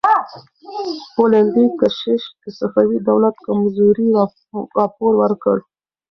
پولندي کشیش د صفوي دولت کمزورۍ راپور ورکړ.